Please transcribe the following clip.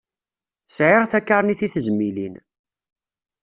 Sεiɣ takarnit i tezmilin.